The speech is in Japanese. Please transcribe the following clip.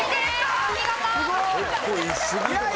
お見事！